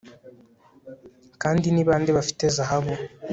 Kandi ni bande bafite zahabu